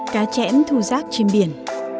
cá chẽn thu rác trên biển